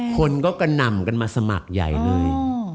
คนก็กระนำมาสมัครใหญ่เลย